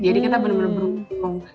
jadi kita benar benar berhubung